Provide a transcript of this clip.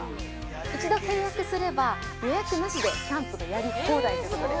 ◆一度契約すれば、予約なしでキャンプがやり放題ということで